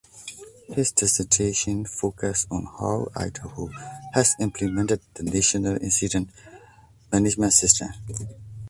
His dissertation focused on how Idaho has implemented the National Incident Management System.